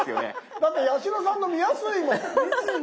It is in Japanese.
だって八代さんの見やすいもん。